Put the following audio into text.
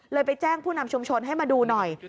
ไปแจ้งผู้นำชุมชนให้มาดูหน่อย